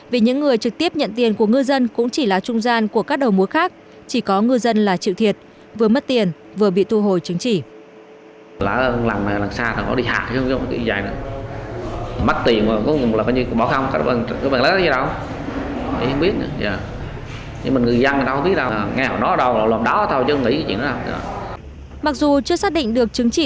vì những người trực tiếp nhận tiền của ngư dân cũng chỉ là trung gian của các đầu mối khác chỉ có ngư dân là chịu thiệt vừa mất tiền vừa bị thu hồi chứng chỉ